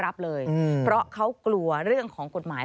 รับเลยเพราะเขากลัวเรื่องของกฎหมาย